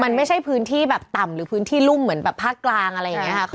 มันไม่ใช่พื้นที่แบบต่ำหรือพื้นที่รุ่มเหมือนแบบภาคกลางอะไรอย่างนี้ค่ะ